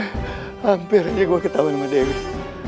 hampir aja gue ketawa sama david